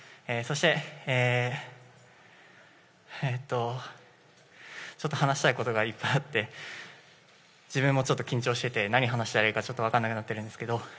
そしてちょっと話したいことがいっぱいあって自分も緊張していて何を話したらいいかちょっと分からなくなっているんですけど